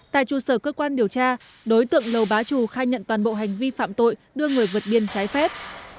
tại trụ sở cơ quan điều tra đối tượng lầu bá trù khai nhận toàn bộ hành vi phạm tội đưa người vượt biên trái phép